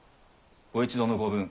ご一同のご武運